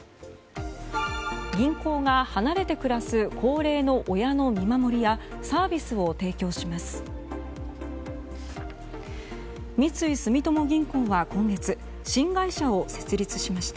銀行が、離れて暮らす高齢の親の見守りやサービスを提供します。